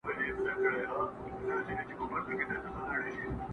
عاشق معسوق ډېوه لمبه زاهد ايمان ساتي